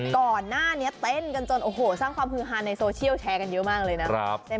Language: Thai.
ก่อนหน้านี้เต้นกันจนโอ้โหสร้างความฮือฮาในโซเชียลแชร์กันเยอะมากเลยนะ